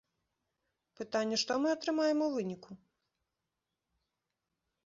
Пытанне, што мы атрымаем у выніку?